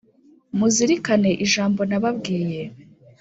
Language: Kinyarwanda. Muzirikane ijambo nababwiye